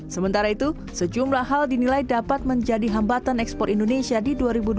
sementara itu sejumlah hal dinilai dapat menjadi hambatan ekspor indonesia di dua ribu dua puluh tiga